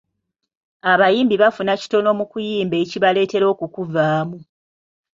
Abayimbi bafuna kitono mu kuyimba ekibaletera okukuvaamu.